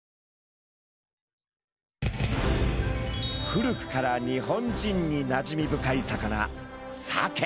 古くから日本人になじみ深い魚サケ。